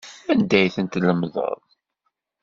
Anda ay ten-tlemdeḍ?